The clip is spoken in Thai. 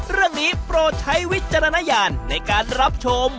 เรื่องนี้โปรดใช้วิจารณญาณในการรับชม